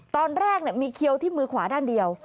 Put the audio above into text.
ตอนแรกมีเคี้ยวที่มือขวาด้านเดียว